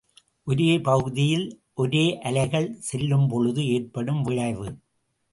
ஒரே பகுதியில் ஒரே அலைகள் செல்லும்பொழுது ஏற்படும் விளைவு.